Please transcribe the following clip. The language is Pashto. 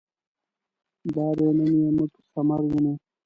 دادی نن یې موږ ثمر وینو.